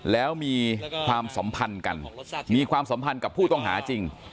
แล้วมีความสัมพันธ์กันมีความสัมพันธ์กับผู้ต้องหาจริง